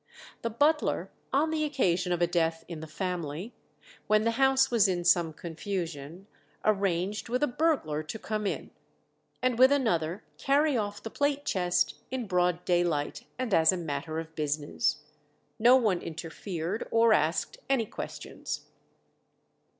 The butler, on the occasion of a death in the family, when the house was in some confusion, arranged with a burglar to come in, and with another carry off the plate chest in broad daylight, and as a matter of business. No one interfered or asked any questions.